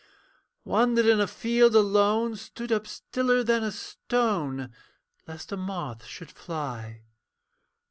One that in a field alone Stood up stiller than a stone Lest a moth should fly.